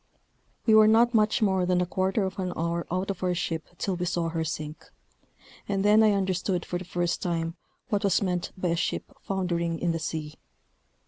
We were not much more than a quarter of an hour out of our ship till we saw her sink, and then I understood for the first time what was meant by a ship foundering in the sea.